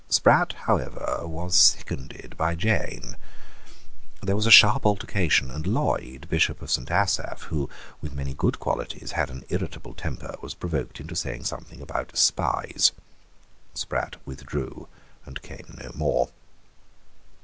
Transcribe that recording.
Sprat however was seconded by Jane. There was a sharp altercation; and Lloyd, Bishop of Saint Asaph, who, with many good qualities, had an irritable temper, was provoked into saying something about spies. Sprat withdrew and came no more.